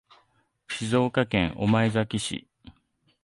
静岡県御前崎市